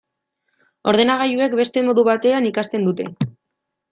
Ordenagailuek beste modu batean ikasten dute.